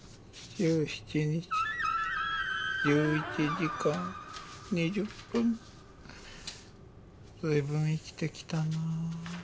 １７日１１時間２０分ずいぶん生きてきたな